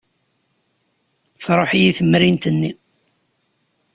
Truḥ-iyi temrint-nni.